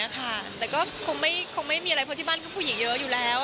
แต่ก็คงไม่มีอะไรเพราะที่บ้านก็ผู้หญิงเยอะอยู่แล้ว